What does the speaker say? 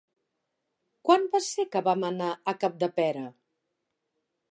Quan va ser que vam anar a Capdepera?